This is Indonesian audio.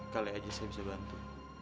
kali aja saya bisa bantu